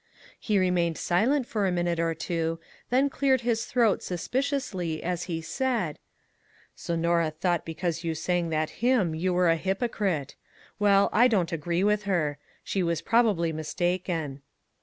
He remained si lent for a minute or two then cleared his throat suspiciously as he said :" So Norah thought because you sang that hymn you were a hypocrite! Well, I don't 94 "A CRUMB OF COMFORT" agree with her. She was probably mis taken."